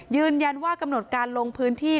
ยืนยันว่ากำหนดการลงพื้นที่